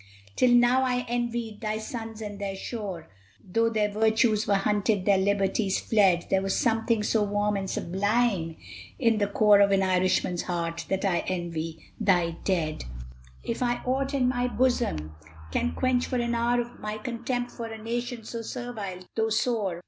Till now I had envied thy sons and their shore, Though their virtues were hunted, their liberties fled; There was something so warm and sublime in the core Of an Irishman's heart, that I envy thy dead. Or if aught in my bosom can quench for an hour My contempt for a nation so servile, though sore.